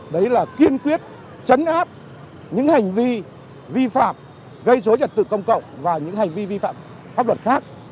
đấy là kiên quyết chấn áp những hành vi vi phạm gây dối trật tự công cộng và những hành vi vi phạm pháp luật khác